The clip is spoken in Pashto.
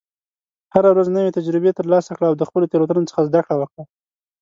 هره ورځ نوې تجربې ترلاسه کړه، او د خپلو تېروتنو څخه زده کړه وکړه.